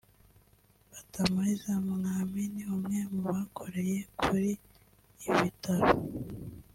Batamuriza Mwamini umwe mu barokokeye kuri ibi bitaro